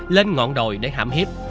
lên ngọn đồi để hạm hiếp